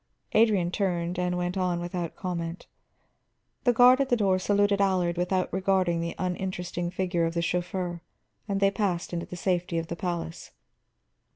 Adrian turned and went on without comment. The guard at the door saluted Allard without regarding the uninteresting figure of the chauffeur, and they passed into the safety of the palace.